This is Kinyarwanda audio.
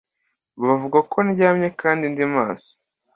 Bavuga ko ndyamye knd ndimaso